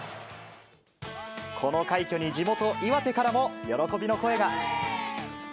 この快挙に地元、岩手からも喜びの声が。